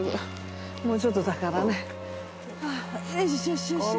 もうちょっとだからね。よいしょ。